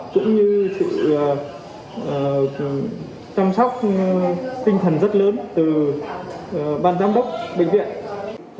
cũng như sự chăm sóc tinh thần rất lớn từ ban giám đốc bệnh viện